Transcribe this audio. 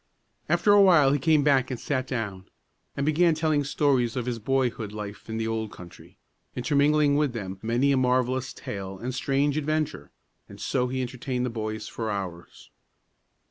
After a while he came back and sat down, and began telling stories of his boyhood life in the old country, intermingling with them many a marvellous tale and strange adventure, and so he entertained the boys for hours.